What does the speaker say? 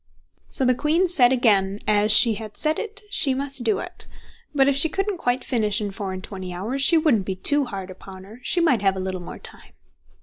So the queen said again, as she had said it she must do it; but if she couldn't quite finish it in four and twenty hours, she wouldn't be too hard upon her, she might have a little more time.